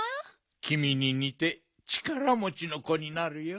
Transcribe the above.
きみににてちからもちのこになるよ。